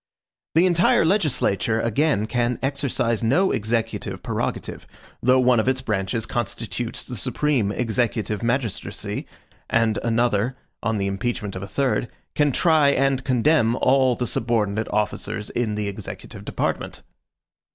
The entire legislature, again, can exercise no executive prerogative, though one of its branches constitutes the supreme executive magistracy, and another, on the impeachment of a third, can try and condemn all the subordinate officers in the executive department.